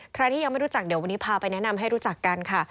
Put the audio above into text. ใครที่ยังไม่รู้จักเดี๋ยววันนี้พาไปแนะนำให้รู้จักกันค่ะ